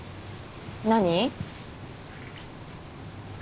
何？